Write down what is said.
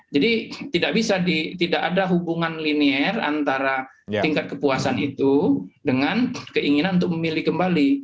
jadi tidak ada hubungan linier antara tingkat kepuasan itu dengan keinginan untuk memilih kembali